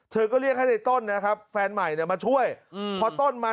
เธอก็เรียกให้ในต้นนะครับแฟนใหม่มาช่วยพอต้นมาถึงนะครับ